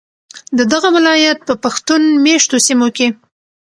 ددغه ولایت په پښتون میشتو سیمو کې